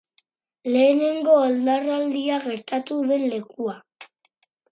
Lehenengo oldarraldia gertatu den lekua.